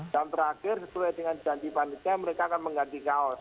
dan terakhir sesuai dengan janji wanita mereka akan mengganti kaos